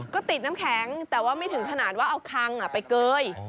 ก็ติดน้ำแข็งแต่ว่าไม่ถึงขนาดว่าเอาคังไปเกย